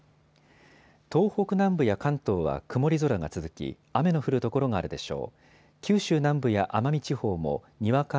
東北南部や関東は曇り空が続き雨の降る所があるでしょう。